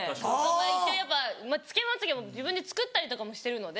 一応やっぱつけまつげも自分で作ったりとかもしてるので。